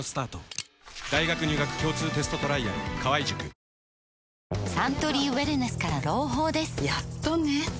メロメロサントリーウエルネスから朗報ですやっとね